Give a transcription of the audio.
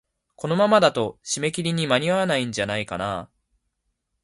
このままだと、締め切りに間に合わないんじゃないかなあ。